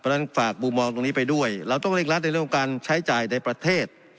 เพราะฉะนั้นฝากมุมมองตรงนี้ไปด้วยเราต้องเร่งรัดในเรื่องของการใช้จ่ายในประเทศ